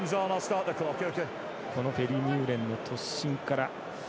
このフェルミューレンの突進から。